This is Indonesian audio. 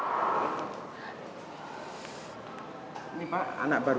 ini pak anak baru